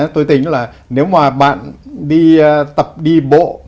tôi tính là nếu mà bạn đi tập đi bộ